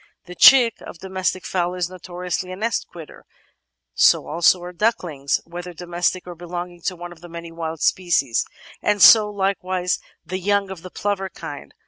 The chick of the domestic fowl is notoriously a nest quitter; so also are ducklings, whether domestic or belonging to one of the many wild species, and so likewise the young of the plover kind.